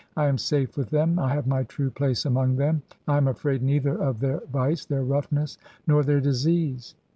I am safe with them ; I have my true place among them. I am afraid neither of their vice, their roughness, nor their disease."